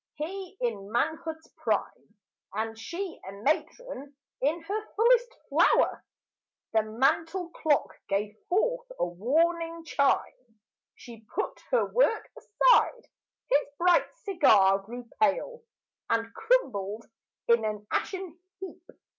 He in manhood's prime And she a matron in her fullest flower. The mantel clock gave forth a warning chime. She put her work aside; his bright cigar Grew pale, and crumbled in an ashen heap.